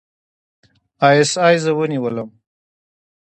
اى ايس اى زه ونیولم.